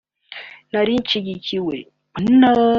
”Nari nshyigikiwe